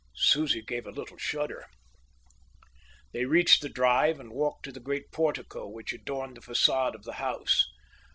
Susie gave a little shudder. They reached the drive and walked to the great portico which adorned the facade of the house.